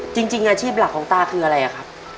จริงอาชีพหลักของตาคืออะไรอะครับ